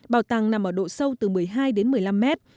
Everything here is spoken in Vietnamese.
bảo tàng nằm ở độ sâu từ một mươi hai đến một mươi năm mét